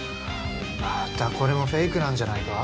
またこれもフェイクなんじゃないか？